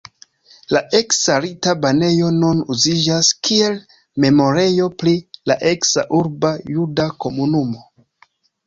La eksa rita banejo nun uziĝas kiel memorejo pri la eksa urba juda komunumo.